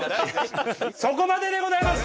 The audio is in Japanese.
そこまででございます！